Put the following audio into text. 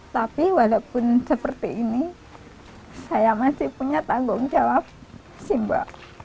tapi walaupun seperti ini saya masih punya tanggung jawab sih mbak